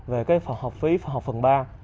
về cái học phí học phần ba